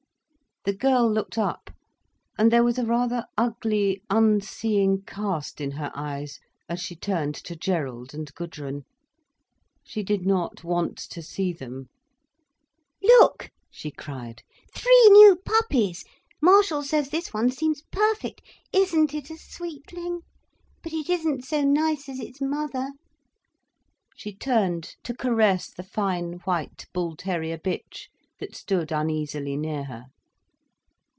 The girl looked up, and there was a rather ugly, unseeing cast in her eyes as she turned to Gerald and Gudrun. She did not want to see them. "Look!" she cried. "Three new puppies! Marshall says this one seems perfect. Isn't it a sweetling? But it isn't so nice as its mother." She turned to caress the fine white bull terrier bitch that stood uneasily near her.